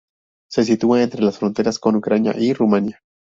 Se sitúa entre las fronteras con Ucrania y Rumania.